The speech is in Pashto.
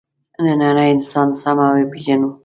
نننی انسان سمه وپېژنو.